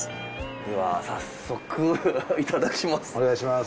では早速いただきます。